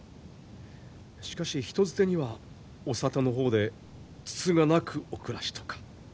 しかし人づてにはお里の方でつつがなくお暮らしとか。